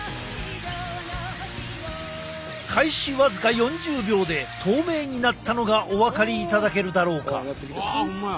開始僅か４０秒で透明になったのがお分かりいただけるだろうか。